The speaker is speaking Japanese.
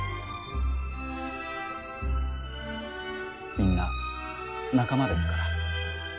みんな仲間ですから。